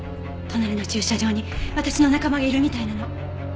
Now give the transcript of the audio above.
隣の駐車場に私の仲間がいるみたいなの。